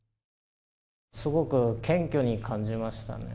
すごく謙虚に感じましたね。